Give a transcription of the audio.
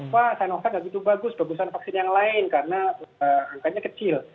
wah sinovac nggak begitu bagus bagusan vaksin yang lain karena angkanya kecil